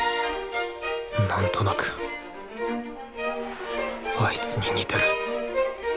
なんとなくあいつに似てる。